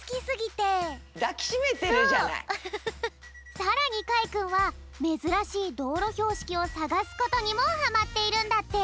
さらにかいくんはめずらしいどうろひょうしきをさがすことにもはまっているんだって。